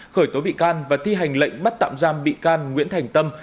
khởi tố bị can và thi hành lệnh bắt tạm giam bị can nguyễn thành tâm